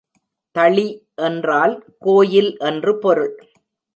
தளி என்றால் கோயில் என்று பொருள்.